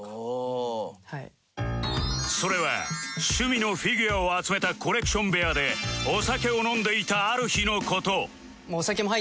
それは趣味のフィギュアを集めたコレクション部屋でお酒を飲んでいたある日の事